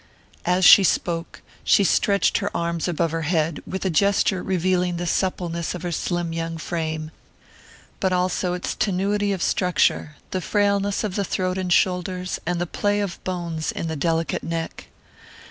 As she spoke, she stretched her arms above her head, with a gesture revealing the suppleness of her slim young frame, but also its tenuity of structure the frailness of throat and shoulders, and the play of bones in the delicate neck.